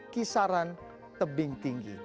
kisaran tebing tinggi